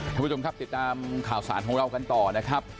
ท่านผู้ชมครับติดตามข่าวสารของเรากันต่อนะครับ